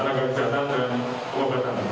tanah kebiasaan dan kelembatan